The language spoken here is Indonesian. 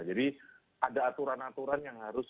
jadi ada aturan aturan yang harus